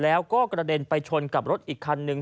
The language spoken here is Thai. แล้วก็กระเด็นไปชนกับรถอีกคันนึง